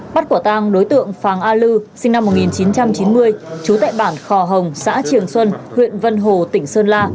bắt quả tang đối tượng phàng a lư sinh năm một nghìn chín trăm chín mươi chú tại bản khò hồng xã trường xuân huyện vân hồ tỉnh sơn la